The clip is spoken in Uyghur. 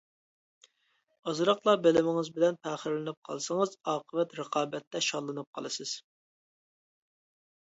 ئازراقلا بىلىمىڭىز بىلەن پەخىرلىنىپ قالسىڭىز، ئاقىۋەت رىقابەتتە شاللىنىپ قالىسىز.